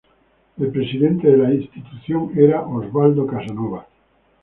El presidente de la institución era Osvaldo Casanova.